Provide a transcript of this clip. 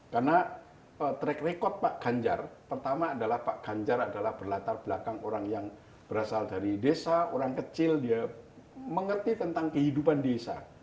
karena track record pak ganjar pertama adalah pak ganjar adalah berlatar belakang orang yang berasal dari desa orang kecil dia mengerti tentang kehidupan desa